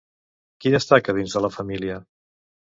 Qui destaca, dins de la família?